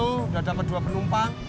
udah dapet dua penumpang